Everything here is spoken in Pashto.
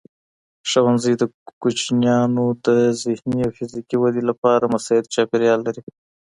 ښوونځی د کوچنیانو د ذهني او فزیکي ودې لپاره مساعد چاپېریال لري.